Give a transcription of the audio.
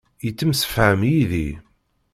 Yettemsefham yid-i.